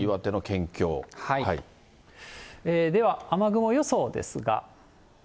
では、雨雲予想ですが。